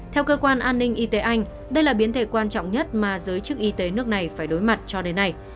theo cơ quan an ninh y tế anh đây là biến thể quan trọng nhất mà giới chức y tế nước này phải đối mặt cho đến nay